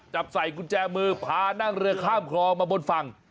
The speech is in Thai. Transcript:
จับใส่กุญแจมือพานั่งเรือข้ามคลองมาบนฝั่ง